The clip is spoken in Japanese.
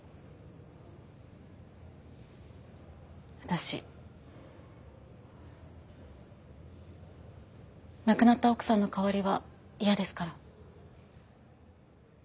私亡くなった奥さんの代わりは嫌ですから。